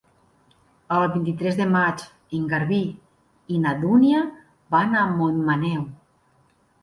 El vint-i-tres de maig en Garbí i na Dúnia van a Montmaneu.